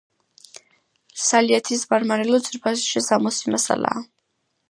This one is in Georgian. სალიეთის მარმარილო ძვირფასი შესამოსი მასალაა.